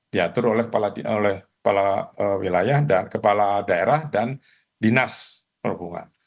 diatur oleh kepala wilayah dan kepala daerah dan dinas perhubungan